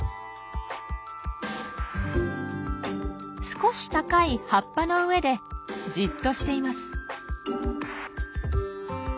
少し高い葉っぱの上でじっとしています。